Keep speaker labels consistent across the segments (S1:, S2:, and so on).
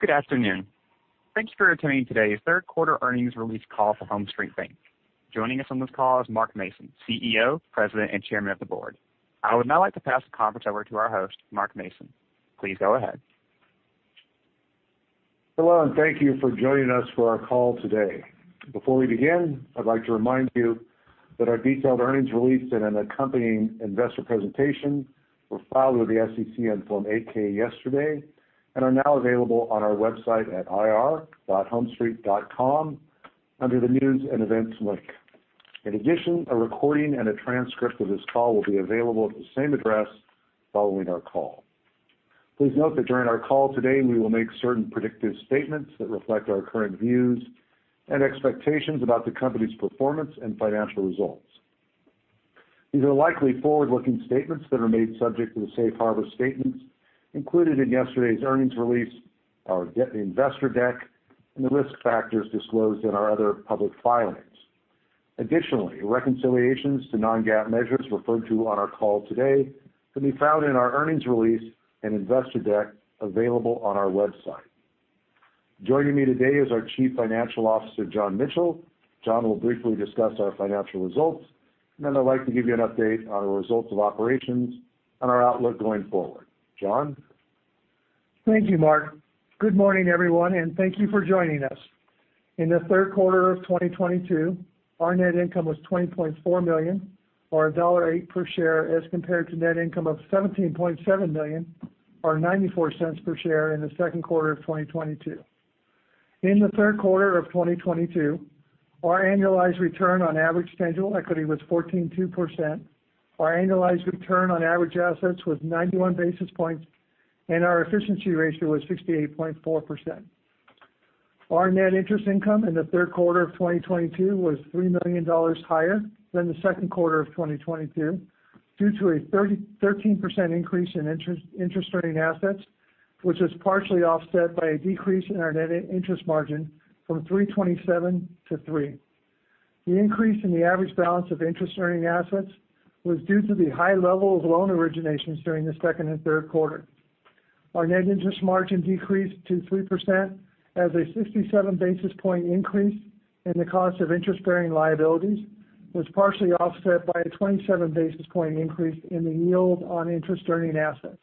S1: Good afternoon. Thanks for attending today's third quarter earnings release call for HomeStreet Bank. Joining us on this call is Mark Mason, CEO, President, and Chairman of the Board. I would now like to pass the conference over to our host, Mark Mason. Please go ahead.
S2: Hello, and thank you for joining us for our call today. Before we begin, I'd like to remind you that our detailed earnings release and an accompanying investor presentation were filed with the SEC on Form 8-K yesterday and are now available on our website at ir.homestreet.com under the News and Events link. In addition, a recording and a transcript of this call will be available at the same address following our call. Please note that during our call today, we will make certain predictive statements that reflect our current views and expectations about the company's performance and financial results. These are likely forward-looking statements that are made subject to the safe harbor statements included in yesterday's earnings release, our investor deck, and the risk factors disclosed in our other public filings. Additionally, reconciliations to non-GAAP measures referred to on our call today can be found in our earnings release and investor deck available on our website. Joining me today is our Chief Financial Officer, John Michel. John will briefly discuss our financial results, and then I'd like to give you an update on the results of operations and our outlook going forward. John?
S3: Thank you, Mark. Good morning, everyone, and thank you for joining us. In the third quarter of 2022, our net income was $20.4 million or $1.08 per share as compared to net income of $17.7 million or $0.94 per share in the second quarter of 2022. In the third quarter of 2022, our annualized return on average tangible equity was 14.2%. Our annualized return on average assets was 91 basis points, and our efficiency ratio was 68.4%. Our net interest income in the third quarter of 2022 was $3 million higher than the second quarter of 2022 due to a 13% increase in interest-earning assets, which was partially offset by a decrease in our net interest margin from 3.27-three. The increase in the average balance of interest-earning assets was due to the high level of loan originations during the second and third quarter. Our net interest margin decreased to 3% as a 67 basis point increase in the cost of interest-bearing liabilities was partially offset by a 27 basis point increase in the yield on interest-earning assets.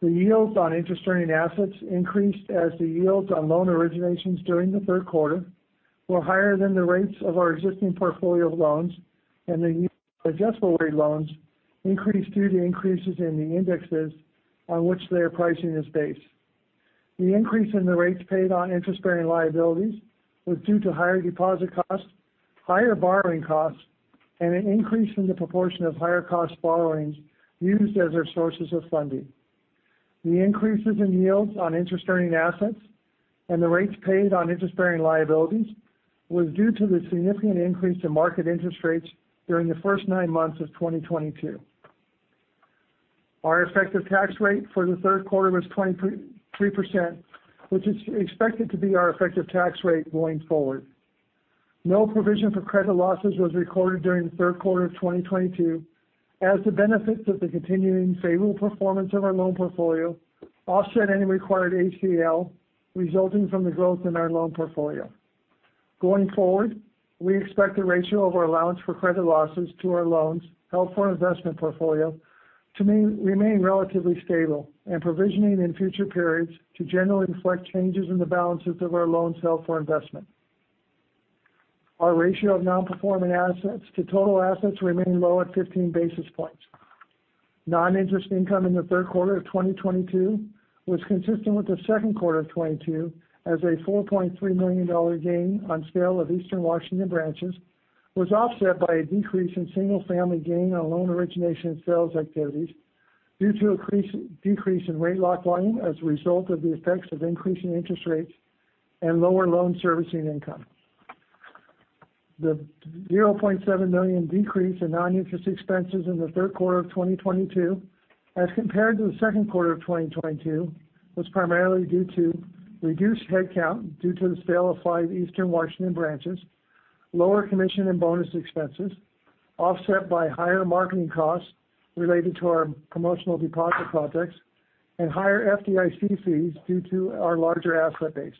S3: The yields on interest-earning assets increased as the yields on loan originations during the third quarter were higher than the rates of our existing portfolio of loans, and the adjustable-rate loans increased due to increases in the indexes on which their pricing is based. The increase in the rates paid on interest-bearing liabilities was due to higher deposit costs, higher borrowing costs, and an increase in the proportion of higher cost borrowings used as our sources of funding. The increases in yields on interest-earning assets and the rates paid on interest-bearing liabilities was due to the significant increase in market interest rates during the first nine months of 2022. Our effective tax rate for the third quarter was 23%, which is expected to be our effective tax rate going forward. No provision for credit losses was recorded during the third quarter of 2022 as the benefits of the continuing favorable performance of our loan portfolio offset any required ACL resulting from the growth in our loan portfolio. Going forward, we expect the ratio of our allowance for credit losses to our loans held for investment portfolio to remain relatively stable and provisioning in future periods to generally reflect changes in the balances of our loans held for investment. Our ratio of non-performing assets to total assets remained low at 15 basis points. Noninterest income in the third quarter of 2022 was consistent with the second quarter of 2022 as a $4.3 million gain on sale of Eastern Washington branches was offset by a decrease in single-family gain on loan origination and sales activities due to decrease in rate lock volume as a result of the effects of increasing interest rates and lower loan servicing income. The $0.7 million decrease in noninterest expenses in the third quarter of 2022 as compared to the second quarter of 2022 was primarily due to reduced headcount due to the sale of five Eastern Washington branches, lower commission and bonus expenses offset by higher marketing costs related to our promotional deposit products and higher FDIC fees due to our larger asset base.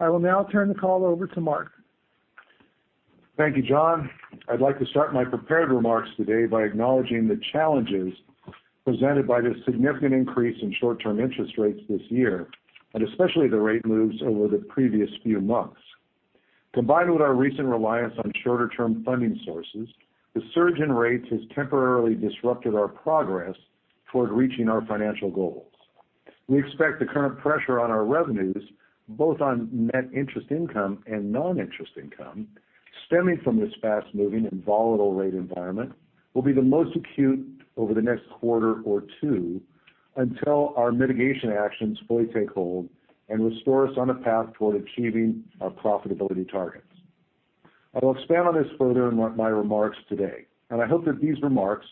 S3: I will now turn the call over to Mark.
S2: Thank you, John Michel. I'd like to start my prepared remarks today by acknowledging the challenges presented by the significant increase in short-term interest rates this year, and especially the rate moves over the previous few months. Combined with our recent reliance on shorter-term funding sources, the surge in rates has temporarily disrupted our progress toward reaching our financial goals. We expect the current pressure on our revenues, both on net interest income and non-interest income, stemming from this fast-moving and volatile rate environment, will be the most acute over the next quarter or two until our mitigation actions fully take hold and restore us on a path toward achieving our profitability targets. I will expand on this further in my remarks today, and I hope that these remarks,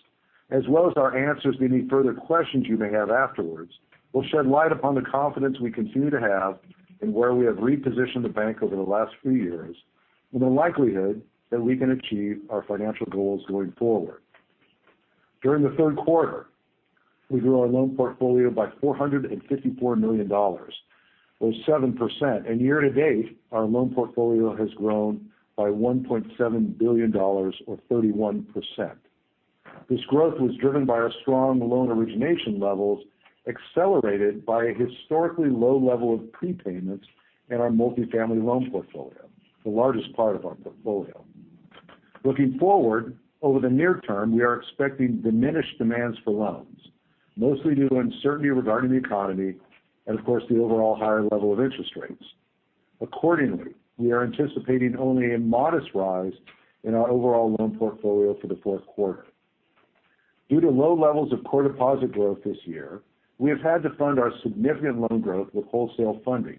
S2: as well as our answers to any further questions you may have afterwards, will shed light upon the confidence we continue to have in where we have repositioned the bank over the last few years and the likelihood that we can achieve our financial goals going forward. During the third quarter, we grew our loan portfolio by $454 million or 7%. Year to date, our loan portfolio has grown by $1.7 billion or 31%. This growth was driven by our strong loan origination levels, accelerated by a historically low level of prepayments in our multifamily loan portfolio, the largest part of our portfolio. Looking forward, over the near term, we are expecting diminished demands for loans, mostly due to uncertainty regarding the economy and of course, the overall higher level of interest rates. Accordingly, we are anticipating only a modest rise in our overall loan portfolio for the fourth quarter. Due to low levels of core deposit growth this year, we have had to fund our significant loan growth with wholesale funding,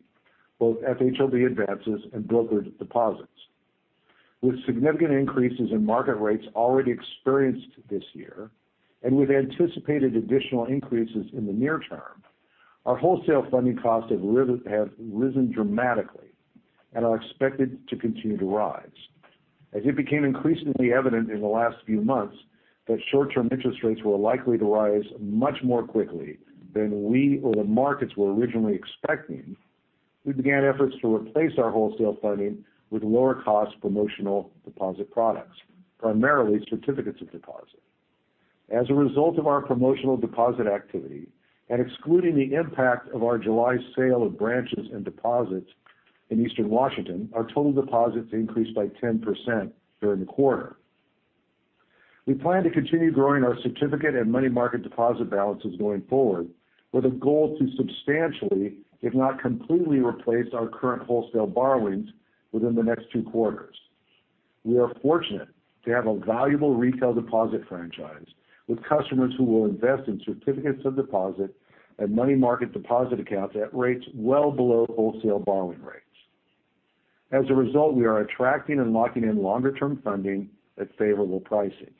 S2: both FHLB advances and brokered deposits. With significant increases in market rates already experienced this year, and with anticipated additional increases in the near term, our wholesale funding costs have risen dramatically and are expected to continue to rise. As it became increasingly evident in the last few months that short-term interest rates were likely to rise much more quickly than we or the markets were originally expecting, we began efforts to replace our wholesale funding with lower cost promotional deposit products, primarily certificates of deposit. As a result of our promotional deposit activity and excluding the impact of our July sale of branches and deposits in Eastern Washington, our total deposits increased by 10% during the quarter. We plan to continue growing our certificate and money market deposit balances going forward with a goal to substantially, if not completely, replace our current wholesale borrowings within the next two quarters. We are fortunate to have a valuable retail deposit franchise with customers who will invest in certificates of deposit and money market deposit accounts at rates well below wholesale borrowing rates. As a result, we are attracting and locking in longer term funding at favorable pricing.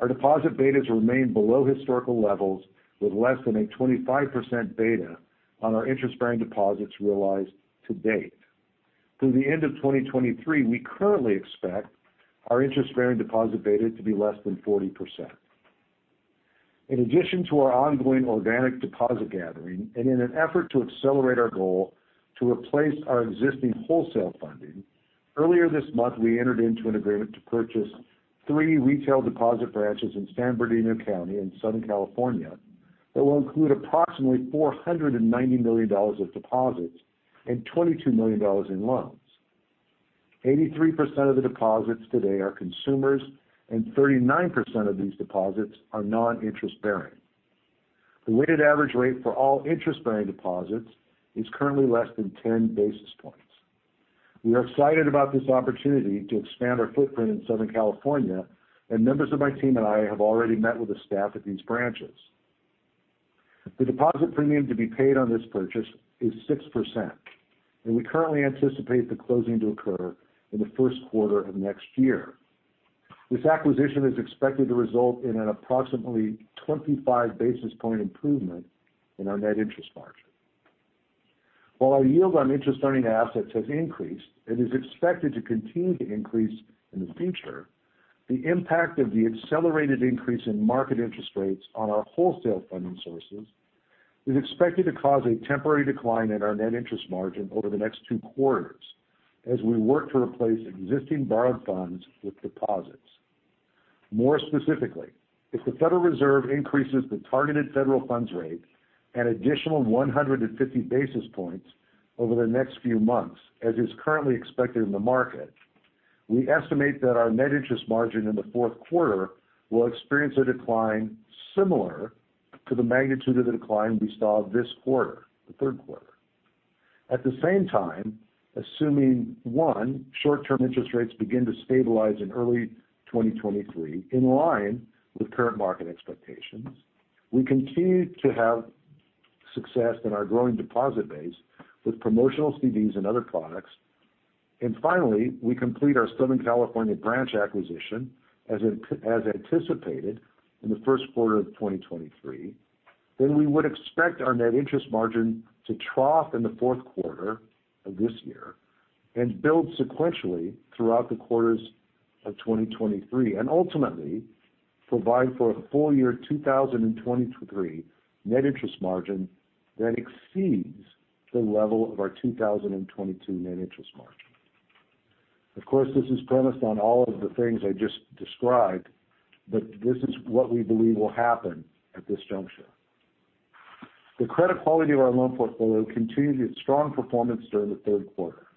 S2: Our deposit betas remain below historical levels, with less than a 25% beta on our interest-bearing deposits realized to date. Through the end of 2023, we currently expect our interest-bearing deposit beta to be less than 40%. In addition to our ongoing organic deposit gathering and in an effort to accelerate our goal to replace our existing wholesale funding, earlier this month, we entered into an agreement to purchase three retail deposit branches in San Bernardino County in Southern California that will include approximately $490 million of deposits and $22 million in loans. 83% of the deposits today are consumers, and 39% of these deposits are non-interest bearing. The weighted average rate for all interest-bearing deposits is currently less than 10 basis points. We are excited about this opportunity to expand our footprint in Southern California, and members of my team and I have already met with the staff at these branches. The deposit premium to be paid on this purchase is 6%, and we currently anticipate the closing to occur in the first quarter of next year. This acquisition is expected to result in an approximately 25 basis point improvement in our net interest margin. While our yield on interest-earning assets has increased and is expected to continue to increase in the future, the impact of the accelerated increase in market interest rates on our wholesale funding sources is expected to cause a temporary decline in our net interest margin over the next two quarters as we work to replace existing borrowed funds with deposits. More specifically, if the Federal Reserve increases the targeted federal funds rate an additional 150 basis points over the next few months, as is currently expected in the market, we estimate that our net interest margin in the fourth quarter will experience a decline similar to the magnitude of the decline we saw this quarter, the third quarter. At the same time, assuming, one, short-term interest rates begin to stabilize in early 2023 in line with current market expectations, we continue to have success in our growing deposit base with promotional CDs and other products. Finally, we complete our Southern California branch acquisition as anticipated in the first quarter of 2023. Then we would expect our net interest margin to trough in the fourth quarter of this year and build sequentially throughout the quarters of 2023, and ultimately provide for a full year 2023 net interest margin that exceeds the level of our 2022 net interest margin. Of course, this is premised on all of the things I just described, but this is what we believe will happen at this juncture. The credit quality of our loan portfolio continued its strong performance during the third quarter.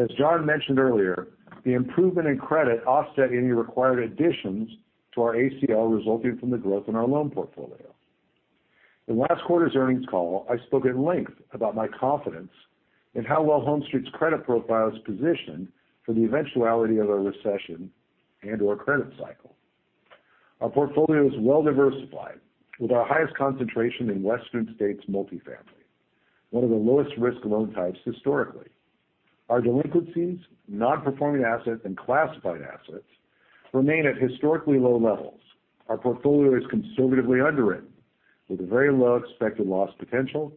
S2: As John mentioned earlier, the improvement in credit offset any required additions to our ACL resulting from the growth in our loan portfolio. In last quarter's earnings call, I spoke at length about my confidence in how well HomeStreet's credit profile is positioned for the eventuality of a recession and/or credit cycle. Our portfolio is well-diversified, with our highest concentration in Western states multifamily, one of the lowest risk loan types historically. Our delinquencies, non-performing assets, and classified assets remain at historically low levels. Our portfolio is conservatively underwritten. With a very low expected loss potential,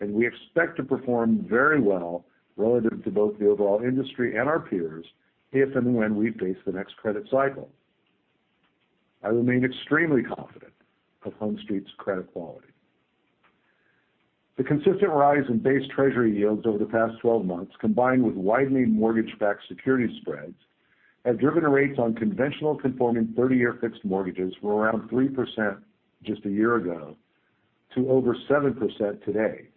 S2: and we expect to perform very well relative to both the overall industry and our peers if and when we face the next credit cycle. I remain extremely confident of HomeStreet's credit quality. The consistent rise in base treasury yields over the past 12 months, combined with widening mortgage-backed security spreads, have driven the rates on conventional conforming 30-year fixed mortgages from around 3% just a year ago to over 7% today.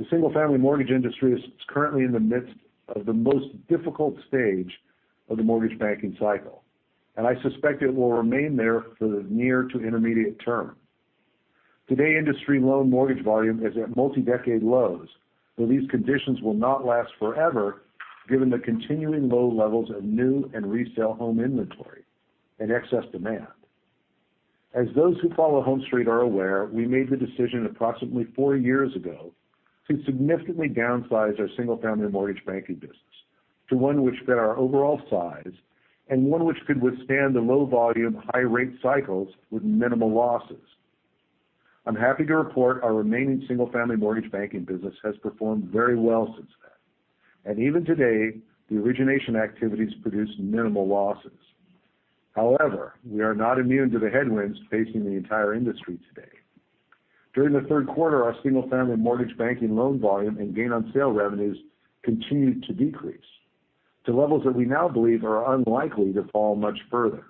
S2: The single-family mortgage industry is currently in the midst of the most difficult stage of the mortgage banking cycle, and I suspect it will remain there for the near to intermediate term. Today, industry loan mortgage volume is at multi-decade lows, so these conditions will not last forever given the continuing low levels of new and resale home inventory and excess demand. As those who follow HomeStreet are aware, we made the decision approximately four years ago to significantly downsize our single family mortgage banking business to one which fit our overall size and one which could withstand the low volume, high rate cycles with minimal losses. I'm happy to report our remaining single family mortgage banking business has performed very well since then, and even today, the origination activities produce minimal losses. However, we are not immune to the headwinds facing the entire industry today. During the third quarter, our single family mortgage banking loan volume and gain on sale revenues continued to decrease to levels that we now believe are unlikely to fall much further.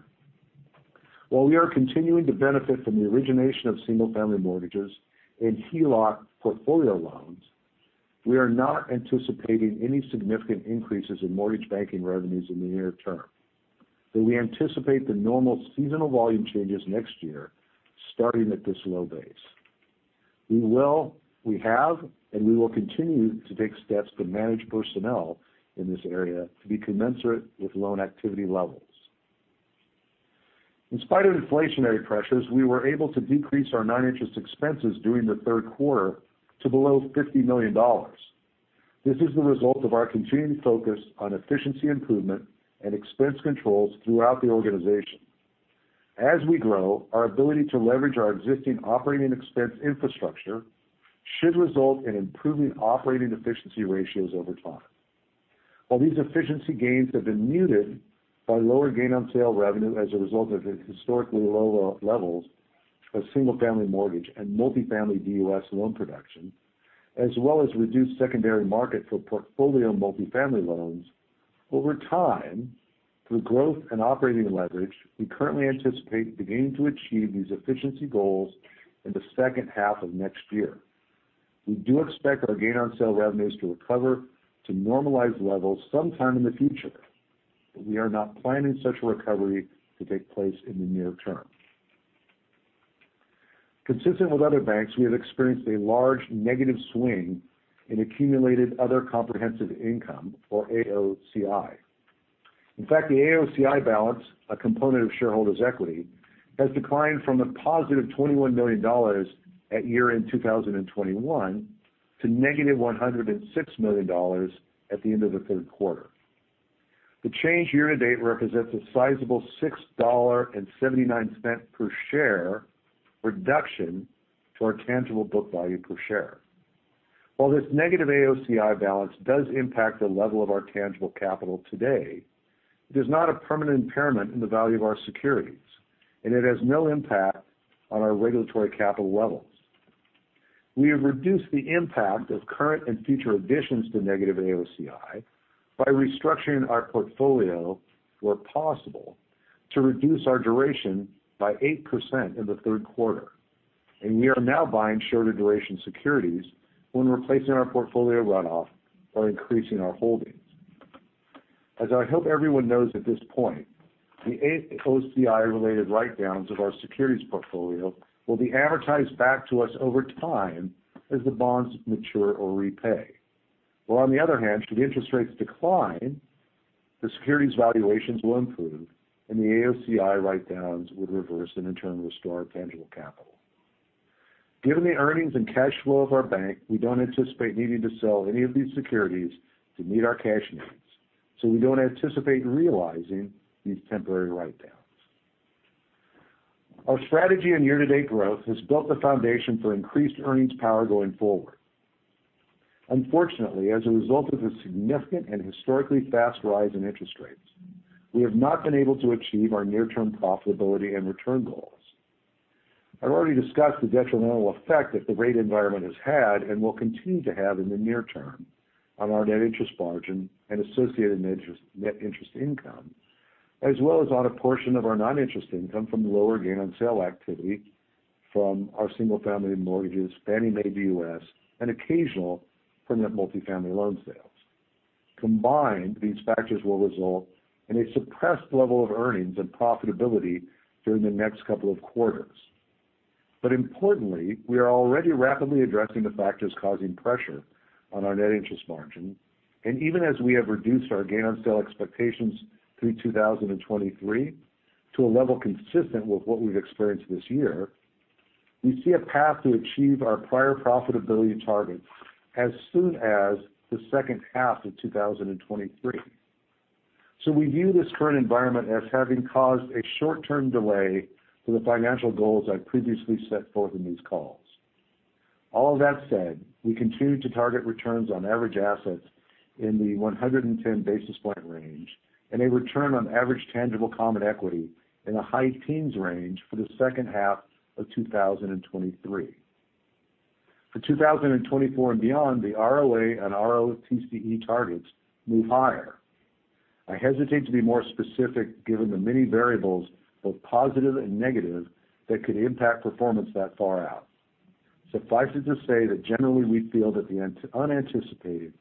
S2: While we are continuing to benefit from the origination of single family mortgages and HELOC portfolio loans, we are not anticipating any significant increases in mortgage banking revenues in the near term. We anticipate the normal seasonal volume changes next year starting at this low base. We have, and we will continue to take steps to manage personnel in this area to be commensurate with loan activity levels. In spite of inflationary pressures, we were able to decrease our non-interest expenses during the third quarter to below $50 million. This is the result of our continued focus on efficiency improvement and expense controls throughout the organization. As we grow, our ability to leverage our existing operating expense infrastructure should result in improving operating efficiency ratios over time. While these efficiency gains have been muted by lower gain on sale revenue as a result of the historically low levels of single-family mortgage and multifamily DUS loan production, as well as reduced secondary market for portfolio multifamily loans, over time, through growth and operating leverage, we currently anticipate beginning to achieve these efficiency goals in the second half of next year. We do expect our gain on sale revenues to recover to normalized levels sometime in the future, but we are not planning such a recovery to take place in the near term. Consistent with other banks, we have experienced a large negative swing in accumulated other comprehensive income, or AOCI. In fact, the AOCI balance, a component of shareholders' equity, has declined from a +$21 million at year-end 2021 to -$106 million at the end of the third quarter. The change year to date represents a sizable $6.79 per share reduction to our tangible book value per share. While this -AOCI balance does impact the level of our tangible capital today, it is not a permanent impairment in the value of our securities, and it has no impact on our regulatory capital levels. We have reduced the impact of current and future additions to -AOCI by restructuring our portfolio where possible to reduce our duration by 8% in the third quarter. We are now buying shorter duration securities when replacing our portfolio runoff or increasing our holdings. As I hope everyone knows at this point, the AOCI related write-downs of our securities portfolio will be added back to us over time as the bonds mature or repay. Well, on the other hand, should the interest rates decline, the securities valuations will improve and the AOCI write-downs would reverse and in turn restore our tangible capital. Given the earnings and cash flow of our bank, we don't anticipate needing to sell any of these securities to meet our cash needs, so we don't anticipate realizing these temporary write-downs. Our strategy and year-to-date growth has built the foundation for increased earnings power going forward. Unfortunately, as a result of the significant and historically fast rise in interest rates, we have not been able to achieve our near-term profitability and return goals. I've already discussed the detrimental effect that the rate environment has had and will continue to have in the near term on our net interest margin and associated net interest, net interest income, as well as on a portion of our non-interest income from lower gain on sale activity from our single family mortgages, Fannie Mae DUS, and occasional permanent multifamily loan sales. Combined, these factors will result in a suppressed level of earnings and profitability during the next couple of quarters. Importantly, we are already rapidly addressing the factors causing pressure on our net interest margin. Even as we have reduced our gain on sale expectations through 2023 to a level consistent with what we've experienced this year, we see a path to achieve our prior profitability targets as soon as the second half of 2023. We view this current environment as having caused a short-term delay to the financial goals I previously set forth in these calls. All that said, we continue to target returns on average assets in the 110 basis point range, and a return on average tangible common equity in a high teens range for the second half of 2023. For 2024 and beyond, the ROA and ROTCE targets move higher. I hesitate to be more specific given the many variables, both positive and negative, that could impact performance that far out. Suffice it to say that generally we feel that the unanticipated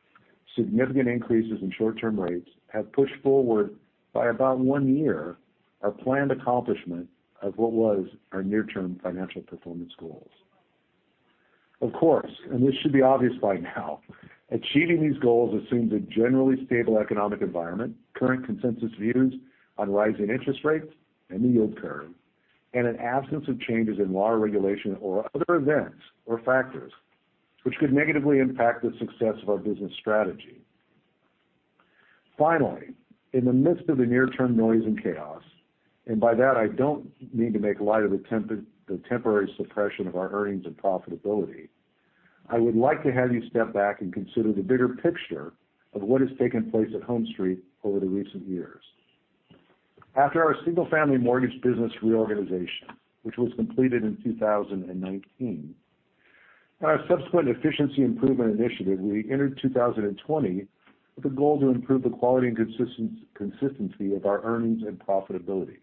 S2: significant increases in short-term rates have pushed forward by about one year our planned accomplishment of what was our near-term financial performance goals. Of course, and this should be obvious by now, achieving these goals assumes a generally stable economic environment, current consensus views on rising interest rates and the yield curve, and an absence of changes in law or regulation or other events or factors which could negatively impact the success of our business strategy. Finally, in the midst of the near-term noise and chaos, and by that I don't mean to make light of the temporary suppression of our earnings and profitability, I would like to have you step back and consider the bigger picture of what has taken place at HomeStreet over the recent years. After our single-family mortgage business reorganization, which was completed in 2019, and our subsequent efficiency improvement initiative, we entered 2020 with a goal to improve the quality and consistency of our earnings and profitability.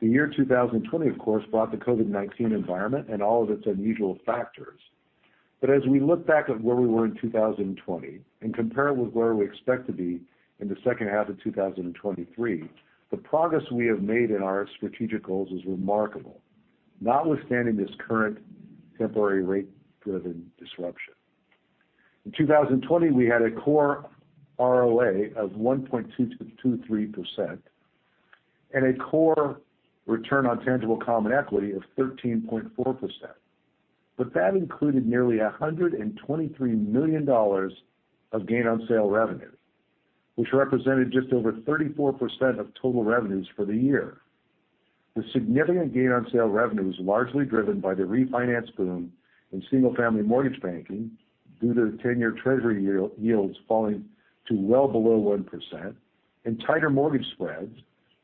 S2: The year 2020, of course, brought the COVID-19 environment and all of its unusual factors. As we look back at where we were in 2020 and compare it with where we expect to be in the second half of 2023, the progress we have made in our strategic goals is remarkable, notwithstanding this current temporary rate-driven disruption. In 2020, we had a core ROA of 1.22% and a core return on tangible common equity of 13.4%. that included nearly $123 million of gain on sale revenue, which represented just over 34% of total revenues for the year. The significant gain on sale revenue was largely driven by the refinance boom in single-family mortgage banking due to the ten-year Treasury yield falling to well below 1% and tighter mortgage spreads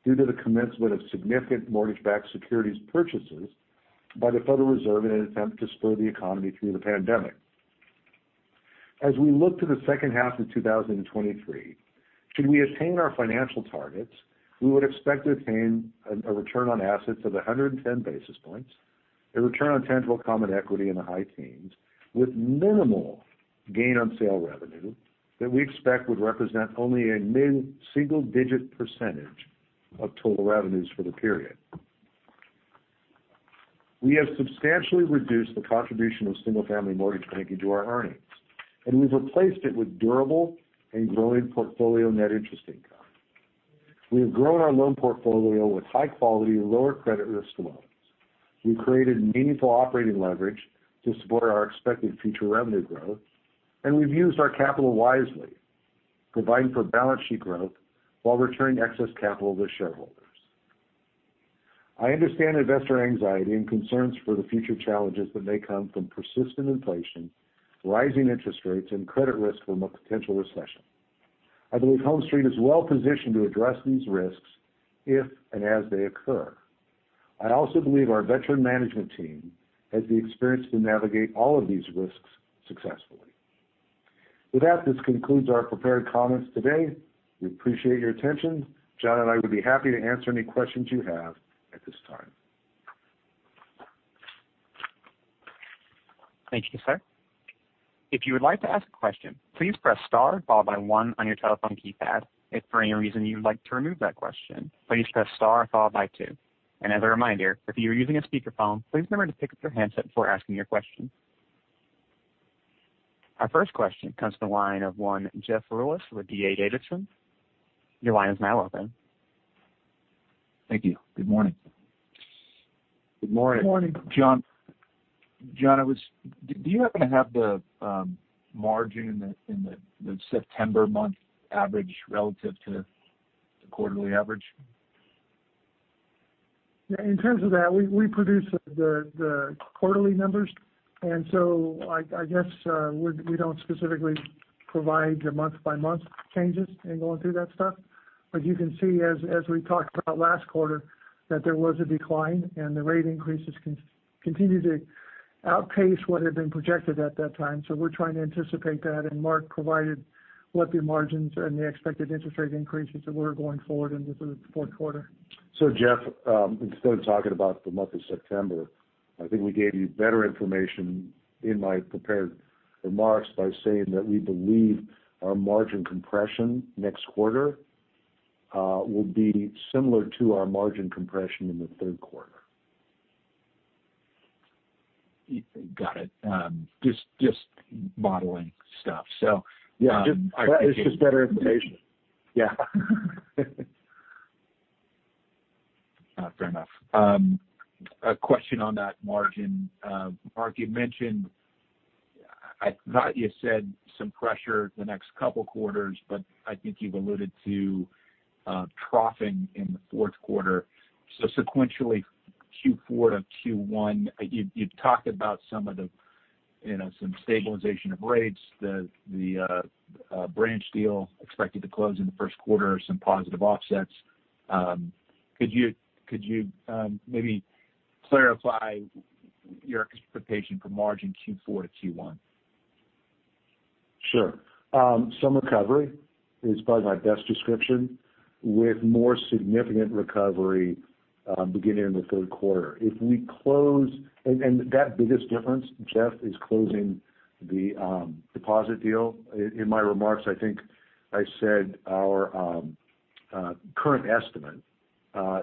S2: due to the commencement of significant mortgage-backed securities purchases by the Federal Reserve in an attempt to spur the economy through the pandemic. As we look to the second half of 2023, should we attain our financial targets, we would expect to attain a return on assets of 110 basis points, a return on tangible common equity in the high teens with minimal gain on sale revenue that we expect would represent only a mid-single digit percentage of total revenues for the period. We have substantially reduced the contribution of single-family mortgage banking to our earnings, and we've replaced it with durable and growing portfolio net interest income. We have grown our loan portfolio with high-quality, lower credit risk loans. We've created meaningful operating leverage to support our expected future revenue growth, and we've used our capital wisely, providing for balance sheet growth while returning excess capital to shareholders. I understand investor anxiety and concerns for the future challenges that may come from persistent inflation, rising interest rates, and credit risk from a potential recession. I believe HomeStreet is well-positioned to address these risks if and as they occur. I also believe our veteran management team has the experience to navigate all of these risks successfully. With that, this concludes our prepared comments today. We appreciate your attention. John and I would be happy to answer any questions you have at this time.
S1: Thank you, sir. If you would like to ask a question, please press star followed by one on your telephone keypad. If for any reason you would like to remove that question, please press star followed by two. As a reminder, if you are using a speakerphone, please remember to pick up your handset before asking your question. Our first question comes from the line of Jeff Rulis with D.A. Davidson. Your line is now open.
S4: Thank you. Good morning.
S2: Good morning.
S3: Good morning.
S4: John Michel, do you happen to have the margin in the September month average relative to the quarterly average?
S3: In terms of that, we produce the quarterly numbers, and so I guess we don't specifically provide the month-by-month changes in going through that stuff. You can see as we talked about last quarter, that there was a decline and the rate increases continue to outpace what had been projected at that time. We're trying to anticipate that, and Mark provided what the margins and the expected interest rate increases that were going forward into the fourth quarter.
S2: Jeff, instead of talking about the month of September, I think we gave you better information in my prepared remarks by saying that we believe our margin compression next quarter will be similar to our margin compression in the third quarter.
S4: Got it. Just modeling stuff.
S3: Yeah. It's just better information. Yeah.
S4: Fair enough. A question on that margin. Mark, you mentioned. I thought you said some pressure the next couple quarters, but I think you've alluded to troughing in the fourth quarter. Sequentially, Q4-Q1, you've talked about some of the, you know, some stabilization of rates. Branch deal expected to close in the first quarter, some positive offsets. Could you maybe clarify your expectation for margin Q4-Q1?
S2: Sure. Some recovery is probably my best description. With more significant recovery beginning in the third quarter. If we close and that biggest difference, Jeff, is closing the deposit deal. In my remarks, I think I said our current estimate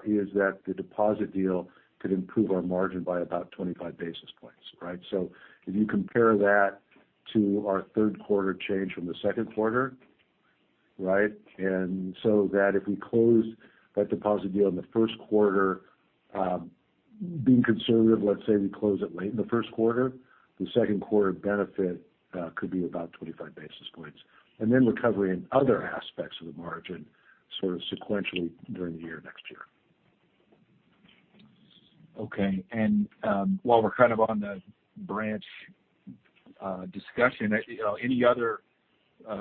S2: is that the deposit deal could improve our margin by about 25 basis points, right? If you compare that to our third quarter change from the second quarter, right? That if we close that deposit deal in the first quarter, being conservative, let's say we close it late in the first quarter, the second quarter benefit could be about 25 basis points. Then recovery in other aspects of the margin sort of sequentially during the year next year.
S4: Okay. While we're kind of on the branch discussion, you know, any other,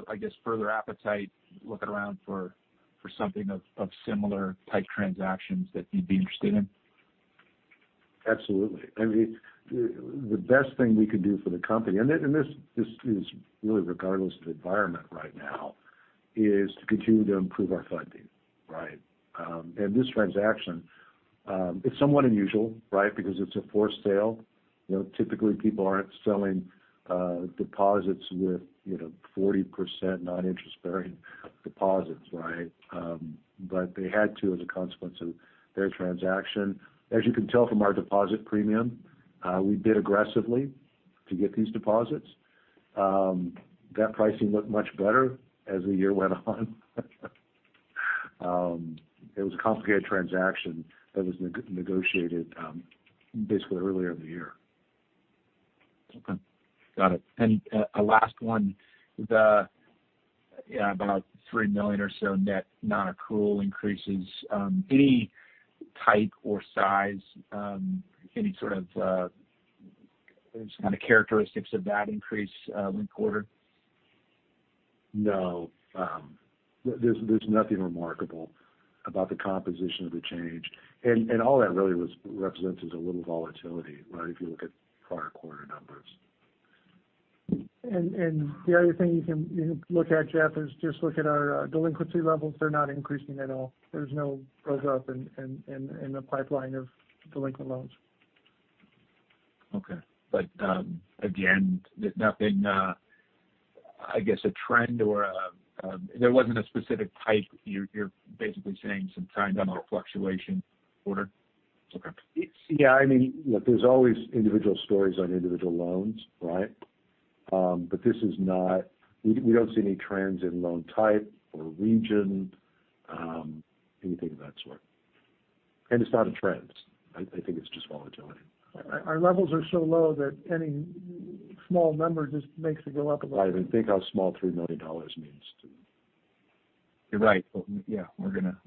S4: I guess, further appetite looking around for something of similar type transactions that you'd be interested in?
S2: Absolutely. I mean, the best thing we could do for the company, and this is really regardless of the environment right now, is to continue to improve our funding, right? This transaction, it's somewhat unusual, right? Because it's a forced sale. You know, typically people aren't selling, deposits with, you know, 40% non-interest-bearing deposits, right? They had to as a consequence of their transaction. As you can tell from our deposit premium, we bid aggressively to get these deposits. That pricing looked much better as the year went on. It was a complicated transaction that was negotiated, basically earlier in the year.
S4: Okay. Got it. A last one. Yeah, about $3 million or so net non-accrual increases. Any type or size, any sort of kind of characteristics of that increase in quarter?
S2: No. There's nothing remarkable about the composition of the change. All that really represents is a little volatility, right, if you look at prior quarter numbers.
S3: The other thing you can look at, Jeff, is just look at our delinquency levels. They're not increasing at all. There's no build up in the pipeline of delinquent loans.
S4: Okay. Again, there's nothing, I guess a trend or, there wasn't a specific type. You're basically saying some random fluctuation quarter? Okay.
S2: Yeah, I mean, look, there's always individual stories on individual loans, right? But we don't see any trends in loan type or region, anything of that sort. It's not a trend. I think it's just volatility.
S3: Our levels are so low that any small number just makes it go up a lot.
S2: Right. I mean, think how small $3 million means to-
S4: You're right. Well, yeah, we're gonna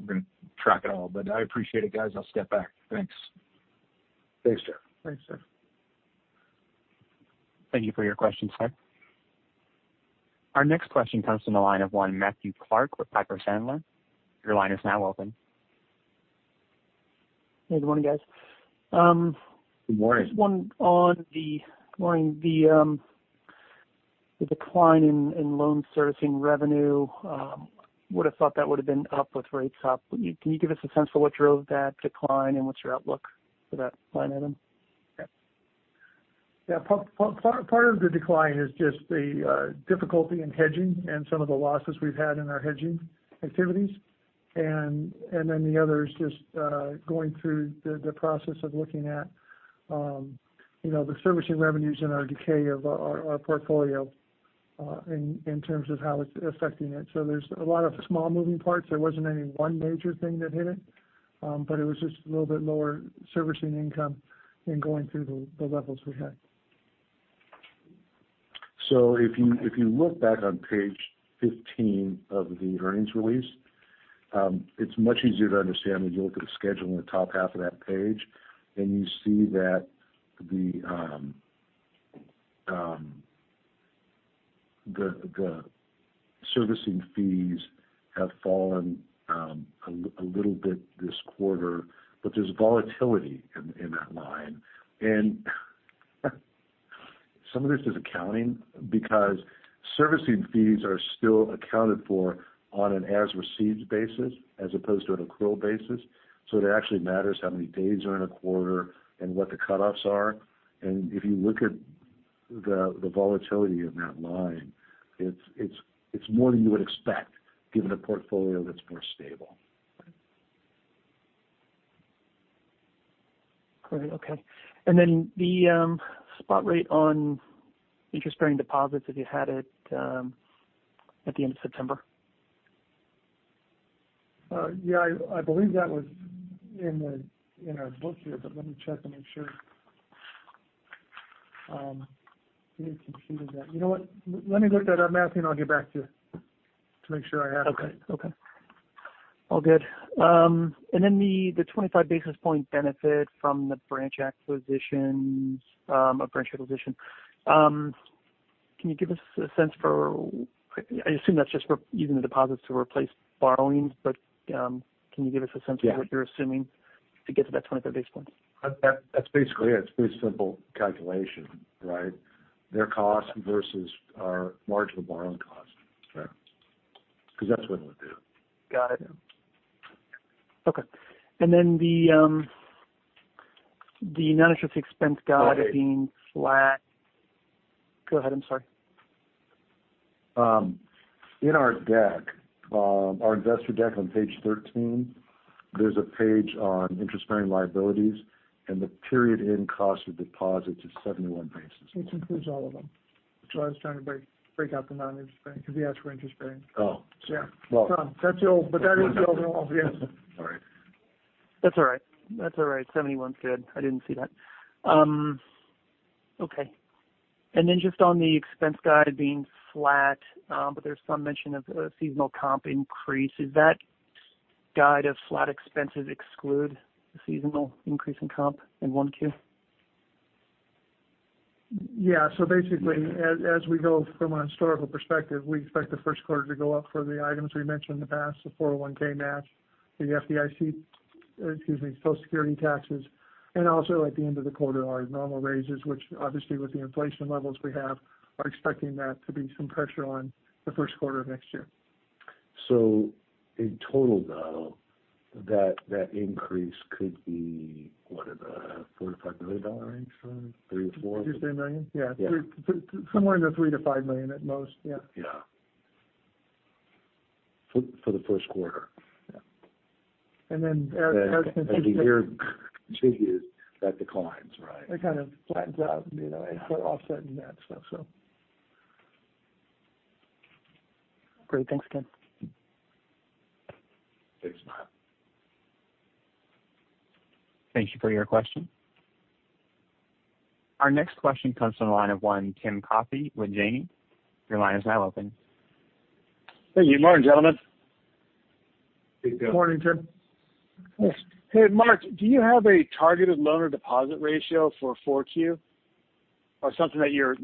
S4: track it all. But I appreciate it, guys. I'll step back. Thanks.
S2: Thanks, Jeff.
S3: Thanks, Jeff.
S1: Thank you for your question, sir. Our next question comes from the line of Matthew Clark with Piper Sandler. Your line is now open.
S5: Good morning, guys.
S2: Good morning.
S5: Just one on the decline in loan servicing revenue. Would have thought that would have been up with rates up. Can you give us a sense for what drove that decline and what's your outlook for that line item?
S3: Yeah. Part of the decline is just the difficulty in hedging and some of the losses we've had in our hedging activities. The other is just going through the process of looking at, you know, the servicing revenues and the decay of our portfolio in terms of how it's affecting it. There's a lot of small moving parts. There wasn't any one major thing that hit it. It was just a little bit lower servicing income and going through the levels we had.
S2: If you look back on page 15 of the earnings release, it's much easier to understand when you look at the schedule in the top half of that page and you see that the servicing fees have fallen a little bit this quarter, but there's volatility in that line. Some of it is accounting because servicing fees are still accounted for on an as received basis as opposed to an accrual basis. It actually matters how many days are in a quarter and what the cutoffs are. If you look at the volatility in that line, it's more than you would expect given a portfolio that's more stable.
S5: Great. Okay. The spot rate on interest-bearing deposits that you had at the end of September?
S3: Yeah, I believe that was in our book here, but let me check and make sure. We completed that. You know what? Let me look at our math and I'll get back to you to make sure I have it right.
S5: Okay. All good. Then the 25 basis point benefit from the branch acquisitions, or branch acquisition. I assume that's just for using the deposits to replace borrowings, but can you give us a sense of-
S3: Yeah.
S5: What you're assuming to get to that 25 basis points?
S3: That, that's basically it. It's pretty simple calculation, right? Their cost versus our marginal borrowing cost.
S5: Right.
S3: 'Cause that's what it would do.
S5: Got it.
S3: Yeah.
S5: The noninterest expense guide-
S3: Okay.
S5: Go ahead, I'm sorry.
S3: In our deck, our investor deck on page 13, there's a page on interest-bearing liabilities, and the period-end cost of deposits is 71 basis points. Which includes all of them. Which is why I was trying to break out the non-interest bearing, because he asked for interest-bearing.
S5: Yeah.
S3: Well.
S5: That's old, but that is the overall view.
S3: Sorry.
S5: That's all right. 71's good. I didn't see that. Okay. Just on the expense guide being flat, but there's some mention of seasonal comp increase. Is that guide of flat expenses exclude the seasonal increase in comp in 1Q?
S3: Yeah. Basically, as we go from a historical perspective, we expect the first quarter to go up for the items we mentioned in the past, the 401(k) match, the FICA, excuse me, Social Security taxes, and also at the end of the quarter, our normal raises, which obviously with the inflation levels we have, are expecting that to be some pressure on the first quarter of next year.
S2: In total though, that increase could be what? In the $4-$5 million range for three-four?
S3: Did you say million? Yeah.
S2: Yeah.
S3: Somewhere in the $3 million-$5 million at most. Yeah.
S2: Yeah. For the first quarter.
S3: Yeah. As the year
S2: As the year continues, that declines, right?
S3: It kind of flattens out, you know, and so offsetting that stuff, so.
S5: Great. Thanks, John.
S2: Thanks, Matt.
S1: Thank you for your question. Our next question comes from the line of Tim Coffey with Janney. Your line is now open.
S6: Thank you. Morning, gentlemen.
S2: Good morning, Tim.
S6: Hey, Mark, do you have a targeted loan or deposit ratio for 4Q, or something that you're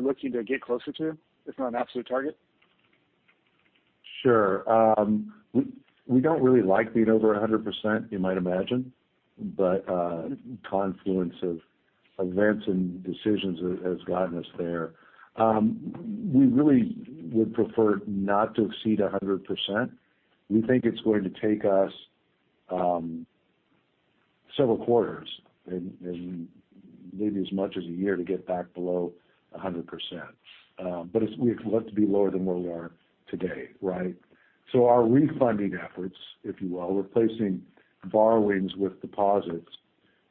S6: looking to get closer to, if not an absolute target?
S2: Sure. We don't really like being over 100%, you might imagine, but confluence of events and decisions has gotten us there. We really would prefer not to exceed 100%. We think it's going to take us several quarters and maybe as much as a year to get back below 100%. We'd love to be lower than where we are today, right? Our refunding efforts, if you will, replacing borrowings with deposits,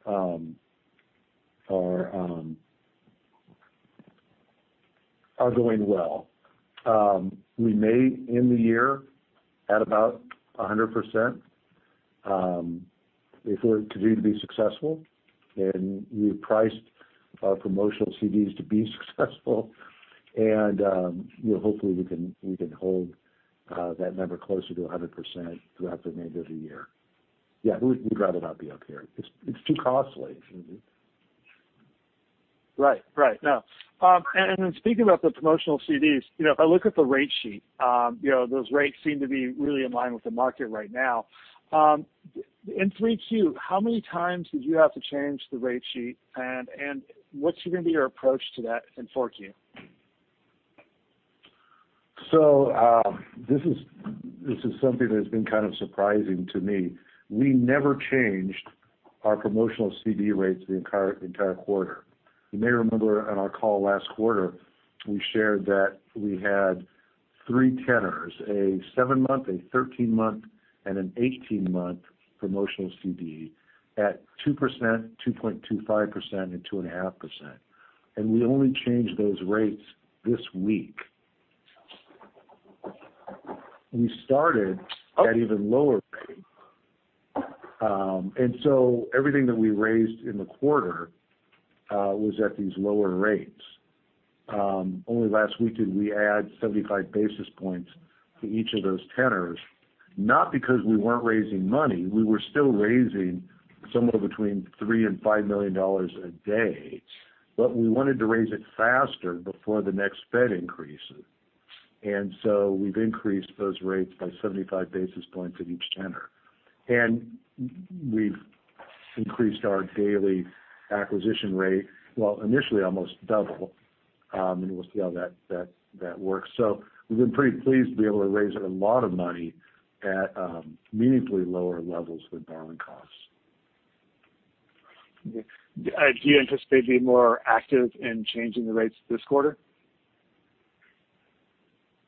S2: are going well. We may end the year at about 100%, if we continue to be successful, and we priced our promotional CDs to be successful. You know, hopefully, we can hold that number closer to 100% throughout the remainder of the year. Yeah, we'd rather not be up here. It's too costly.
S6: Right. No. Speaking about the promotional CDs, you know, if I look at the rate sheet, you know, those rates seem to be really in line with the market right now. In 3Q, how many times did you have to change the rate sheet? And what's gonna be your approach to that in 4Q?
S2: This is something that has been kind of surprising to me. We never changed our promotional CD rates the entire quarter. You may remember on our call last quarter, we shared that we had three tenors, a seven-month, a 13-month, and an 18-month promotional CD at 2%, 2.25%, and 2.5%. We only changed those rates this week. We started at even lower rates. Everything that we raised in the quarter was at these lower rates. Only last week did we add 75 basis points to each of those tenors, not because we weren't raising money. We were still raising somewhere between $3 million and $5 million a day, but we wanted to raise it faster before the next Fed increases. We've increased those rates by 75 basis points at each tenor. We've increased our daily acquisition rate, well, initially, almost double, and we'll see how that works. We've been pretty pleased to be able to raise a lot of money at, meaningfully lower levels with borrowing costs.
S6: Okay. Do you anticipate being more active in changing the rates this quarter?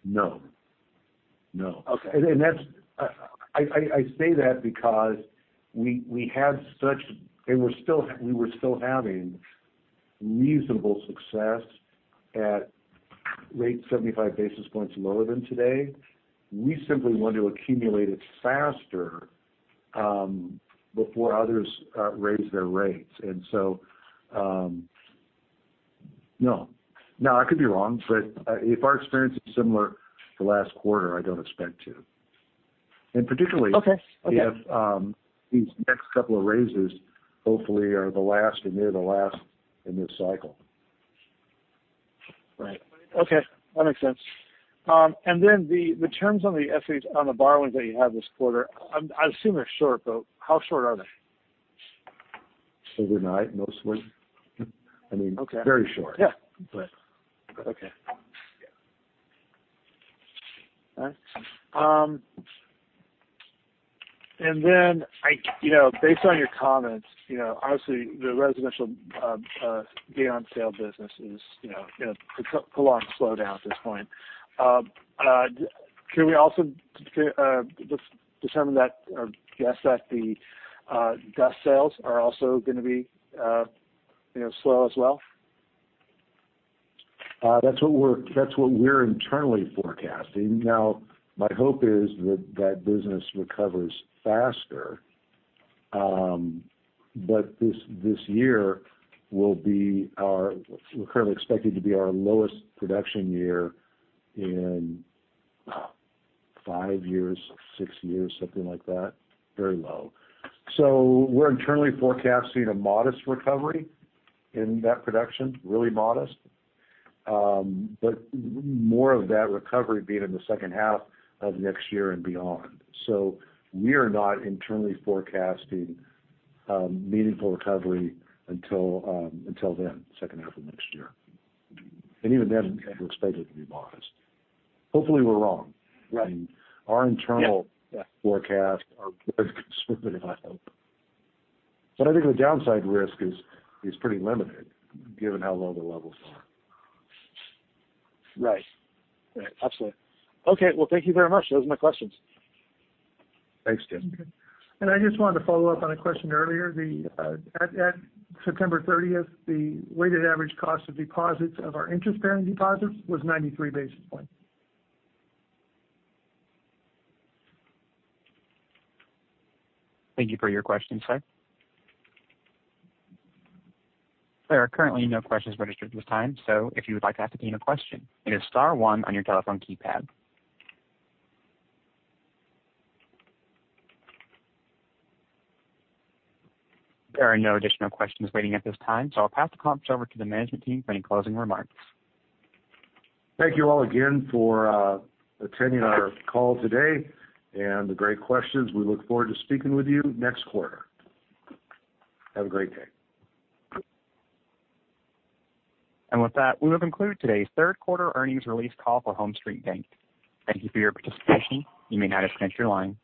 S2: No. No.
S6: Okay.
S2: I say that because we were still having reasonable success at rates 75 basis points lower than today. We simply want to accumulate it faster before others raise their rates. No. Now, I could be wrong, but if our experience is similar to last quarter, I don't expect to.
S6: Okay.
S2: We have these next couple of raises hopefully are the last or near the last in this cycle.
S6: Right. Okay. That makes sense. The terms on the FHLB borrowings that you had this quarter, I assume they're short, but how short are they?
S2: Overnight, mostly. I mean
S6: Okay.
S2: Very short.
S6: Yeah.
S2: But.
S6: Okay. All right. You know, based on your comments, you know, obviously the residential beyond sale business is, you know, in a prolonged slowdown at this point. Can we also just determine that or guess that the DUS sales are also gonna be, you know, slow as well?
S2: That's what we're internally forecasting. Now, my hope is that business recovers faster. This year will be our lowest production year in five years, six years, something like that. Very low. We're internally forecasting a modest recovery in that production, really modest. More of that recovery being in the second half of next year and beyond. We are not internally forecasting meaningful recovery until then, second half of next year. Even then, we expect it to be modest. Hopefully, we're wrong.
S6: Right.
S2: I mean, our internal
S6: Yeah. Yeah
S2: forecast are considerably higher. I think the downside risk is pretty limited given how low the levels are.
S6: Right. Right. Absolutely. Okay, well, thank you very much. Those are my questions.
S2: Thanks, Tim.
S3: I just wanted to follow up on a question earlier. At September thirtieth, the weighted average cost of deposits of our interest-bearing deposits was 93 basis points.
S1: Thank you for your question, sir. There are currently no questions registered at this time, so if you would like to ask a question, it is star one on your telephone keypad. There are no additional questions waiting at this time, so I'll pass the conference over to the management team for any closing remarks.
S2: Thank you all again for attending our call today and the great questions. We look forward to speaking with you next quarter. Have a great day.
S1: With that, we have concluded today's third quarter earnings release call for HomeStreet Bank. Thank you for your participation. You may now disconnect your line.